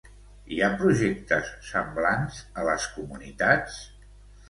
Hi ha projectes semblants a les comunitats?